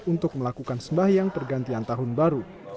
untuk melakukan sembahyang pergantian tahun baru